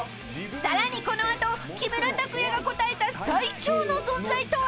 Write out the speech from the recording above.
［さらにこの後木村拓哉が答えた最恐の存在とは？］